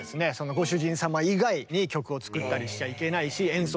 ご主人様以外に曲を作ったりしちゃいけないし演奏したり。